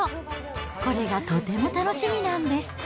これがとても楽しみなんです。